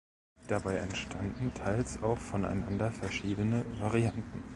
Dabei entstanden teils auch voneinander verschiedene Varianten.